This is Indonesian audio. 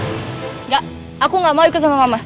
enggak aku gak mau ikut sama mama